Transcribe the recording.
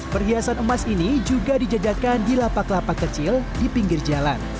perhiasan emas ini juga dijajakan di lapak lapak kecil di pinggir jalan